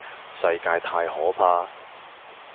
世界太可怕